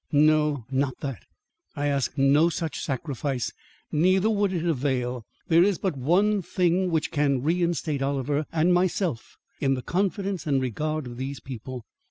"No; not that. I ask no such sacrifice. Neither would it avail. There is but one thing which can reinstate Oliver and myself in the confidence and regard of these people.